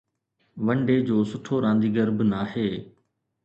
one day جو سٺو رانديگر به ناهي